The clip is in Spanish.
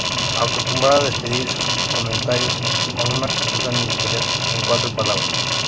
Acostumbraba despedir sus comentarios con una conclusión editorial "en cuatro palabras".